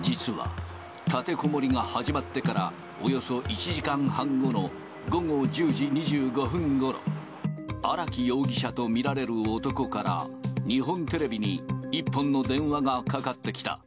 実は、立てこもりが始まってからおよそ１時間半後の午後１０時２５分ごろ、荒木容疑者と見られる男から、日本テレビに一本の電話がかかってきた。